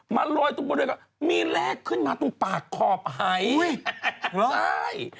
มาโรยตรงบริเวศก็มีแรกขึ้นมาตรงปากขอบไหย